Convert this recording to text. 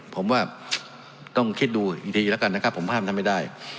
ผมว่าต้องคิดดูอีกทีแล้วกันนะครับผมห้ามท่านไม่ได้